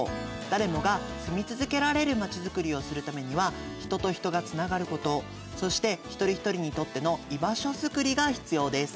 誰もが住み続けられるまちづくりをするためには人と人がつながることそして一人一人にとっての居場所づくりが必要です。